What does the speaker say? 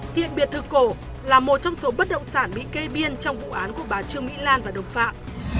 hiện biệt thực cổ là một trong số bất động sản bị kê biên trong vụ án của bà trương mỹ lan và đồng phạm